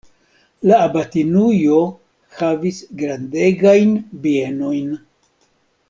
La abatinujo havis grandegajn bienojn.